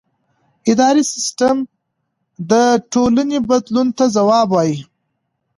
اداري سیستم د ټولنې بدلون ته ځواب وايي.